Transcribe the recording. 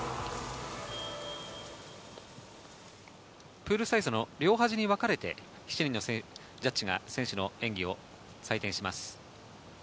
プールサイドの両端に分かれて７人のジャッジが選手の演技を採点します。